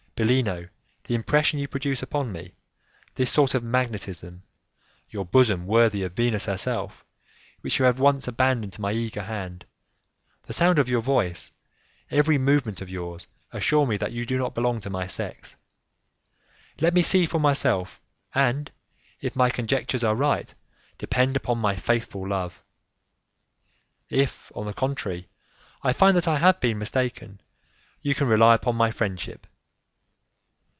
Bellino, the impression you produce upon me, this sort of magnetism, your bosom worthy of Venus herself, which you have once abandoned to my eager hand, the sound of your voice, every movement of yours, assure me that you do not belong to my sex. Let me see for myself, and, if my conjectures are right, depend upon my faithful love; if, on the contrary, I find that I have been mistaken, you can rely upon my friendship.